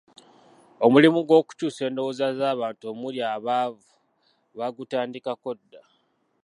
Omulimu gw’okukyusa endowooza z’abantu omuli abaavu bagutandikako dda.